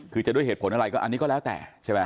คือจะด้วยเหตุผลอะไรก็อันนี้ก็แล้วแต่ใช่ไหม